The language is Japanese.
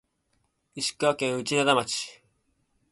石川県内灘町